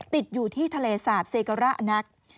ติดอยู่ที่ทะเลสาบเซการะนัก